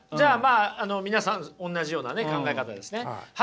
あの皆さんおんなじようなね考え方ですね。